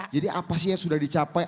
jadi apa sih yang sudah dicapai